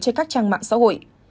trên các trang mạng xã hội